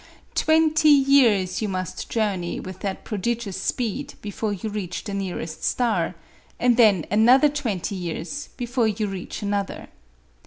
Twenty years you must journey with that prodigious speed before you reach the nearest star, and then another twenty years before you reach another.